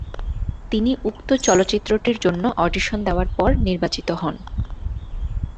তিনি উক্ত চলচ্চিত্রটির জন্য অডিশন দেওয়ার পর নির্বাচিত হন।